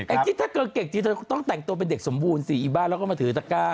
แองจี้ถ้าเกิดเก่งจี๊ต้องแต่งตัวเป็นเด็กสมบูรณ์สิอีบ้าแล้วก็มาถือสก้า